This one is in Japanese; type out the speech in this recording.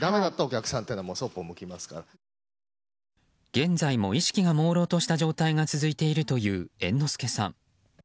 現在も意識がもうろうとした状態が続いているという猿之助さん。